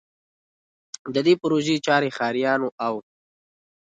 د دې پروژې چارې ښاریانو او